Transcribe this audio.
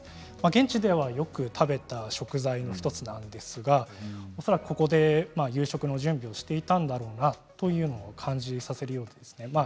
現地では、よく食べた食材の１つなんですが恐らく、ここで夕食の準備をしていたんだろうなというのを感じさせるようですね。